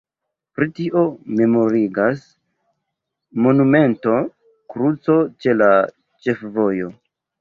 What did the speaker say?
Pri tio memorigas monumento kruco ĉe la ĉefvojo.